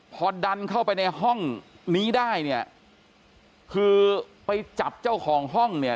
พอดันเข้าไปในห้องนี้ได้เนี่ยคือไปจับเจ้าของห้องเนี่ย